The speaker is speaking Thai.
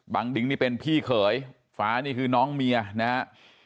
ดิงนี่เป็นพี่เขยฟ้านี่คือน้องเมียนะฮะ